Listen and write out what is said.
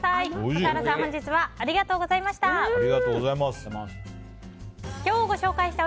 笠原さん、本日はありがとうございました。